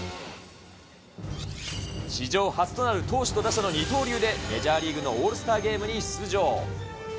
史上初となる投手と打者の二刀流で、メジャーリーグのオールスターゲームに出場。